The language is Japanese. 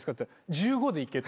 「１５でいけ」って。